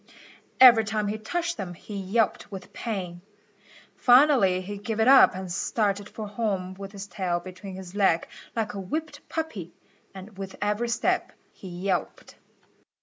Every time he touched them he yelped with pain. Finally he gave it up and started for home with his tail between his legs like a whipped puppy, and with every step he yelped.